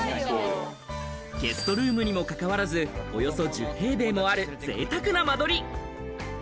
ゲストルームにも関わらず、およそ１０平米もあるぜいたくな間取り。